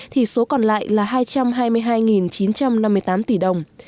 thì số còn lại là hai trăm hai mươi hai chín trăm năm mươi tám tỷ đồng